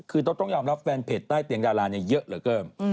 คือต้องยอมรับแฟนเพจใต้เตียงดาราเนี่ยเยอะเหลือเกิน